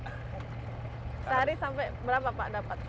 sehari sampai berapa pak dapat